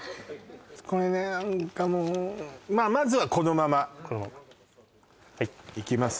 これね何かもうまあまずはこのままいきます